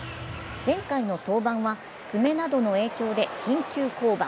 前回の登板は爪などの影響で緊急降板。